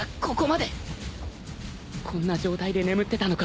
こんな状態で眠ってたのか！？